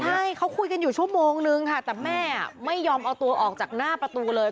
ใช่เขาคุยกันอยู่ชั่วโมงนึงค่ะแต่แม่ไม่ยอมเอาตัวออกจากหน้าประตูเลย